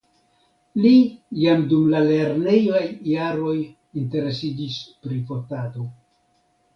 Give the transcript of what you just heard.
Li jam dum la lernejaj jaroj interesiĝis pri fotado.